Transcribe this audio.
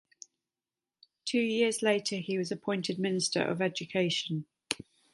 Two years later he was appointed Minister of Education.